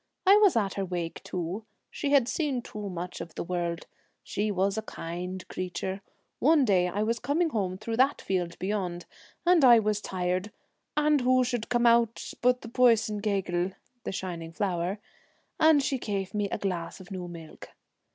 I was at her wake too — she had seen too much of the world. She was a kind crea ture. One day I was coming home through 42 that field beyond, and I was tired, and 'Dust hath closed who should come out but the Poisin Gle Helen's geal (the shining flower), and she gave me eye# a glass of new milk.'